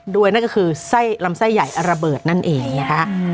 ด้วยนั่นก็คือลำไส้ใหญ่ระเบิดนั่นเองค่ะ